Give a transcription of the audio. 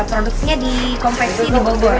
produksinya di konveksi di bogor